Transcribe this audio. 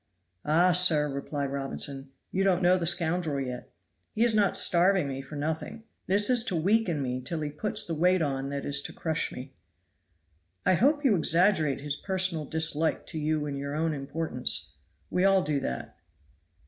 "Ah, sir!" replied Robinson, "you don't know the scoundrel yet. He is not starving me for nothing. This is to weaken me till he puts the weight on that is to crush me." "I hope you exaggerate his personal dislike to you and your own importance we all do that."